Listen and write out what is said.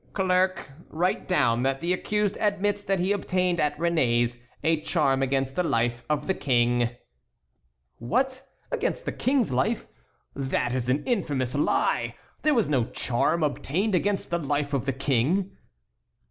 "Clerk, write down that the accused admits that he obtained at Réné's a charm against the life of the King." "What! against the King's life? That is an infamous lie! There was no charm obtained against the life of the King."